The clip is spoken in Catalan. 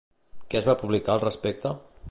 Què es va publicar al respecte?